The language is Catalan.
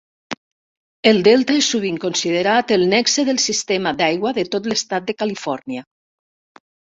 El Delta és sovint considerat el nexe del sistema d'aigua de tot l'estat de Califòrnia.